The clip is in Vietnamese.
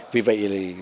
vì vậy là